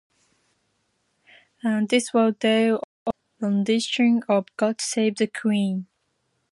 This was Dale Oliver's rendition of "God Save the Queen".